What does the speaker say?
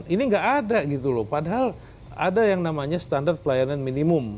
ini nggak ada gitu loh padahal ada yang namanya standar pelayanan minimum